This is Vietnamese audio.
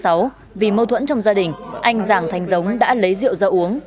hai mươi sáu tháng sáu vì mâu thuẫn trong gia đình anh giàng thanh dống đã lấy rượu ra uống